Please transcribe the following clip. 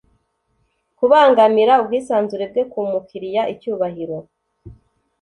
Kubangamira ubwisanzure bwe ku mukiriya icyubahiro